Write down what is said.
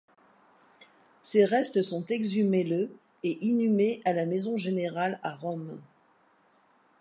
Ses restes sont exhumés le et inhumés à la Maison Générale à Rome.